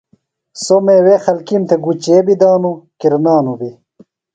سو میوے خلکیم تھےۡ گُچے بی دانو، کرنانو بی۔